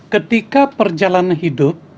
ketika perjalanan hidup